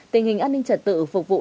tình hình an ninh trật tự phục vụ